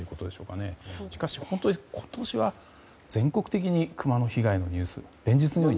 しかし、本当に今年は全国的にクマの被害のニュース連日のように。